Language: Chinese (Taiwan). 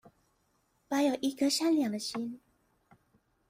保有一顆善良的心